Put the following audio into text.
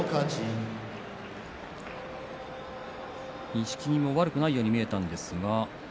錦木も悪くないように見えたんですが。